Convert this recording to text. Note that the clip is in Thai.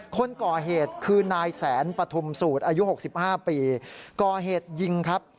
คนก่อเหตุคือนายแสนปฐุมสูตรอายุ๖๕ปีก่อเหตุยิงครับ